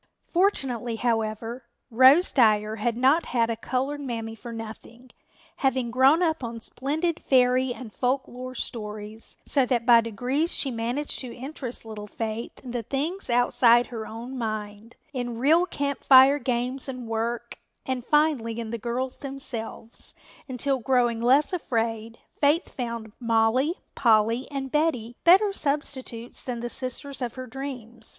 Fortunately, however, Rose Dyer had not had a colored Mammy for nothing, having grown up on splendid fairy and folk lore stories, so that by degrees she managed to interest little Faith in the things outside her own mind, in real Camp Fire games and work, and finally in the girls themselves, until, growing less afraid, Faith found Mollie, Polly and Betty better substitutes than the sisters of her dreams.